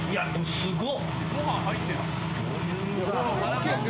すごっ。